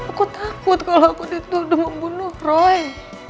aku takut kalau aku dituduh membunuh roy